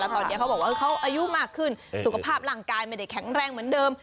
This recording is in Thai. ตอนนี้เขาบอกว่าเขาอายุมากขึ้นสุขภาพร่างกายไม่ได้แข็งแรงเหมือนเดิม